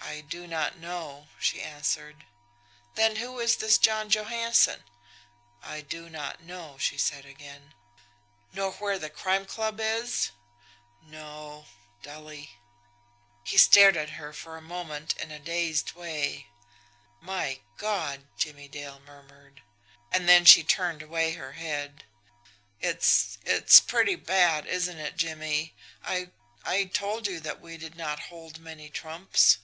"I do not know," she answered. "Then who is this John Johansson?" "I do not know," she said again. "Nor where the Crime Club is?" "No" dully. He stared at her for a moment in a dazed way. "My God!" Jimmie Dale murmured. And then she turned away her head. "It's it's pretty bad, isn't it, Jimmie? I I told you that we did not hold many trumps."